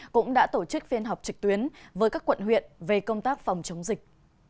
cũng đã tổ chức phiên họp trực tuyến với các quận huyện về công tác phòng chống dịch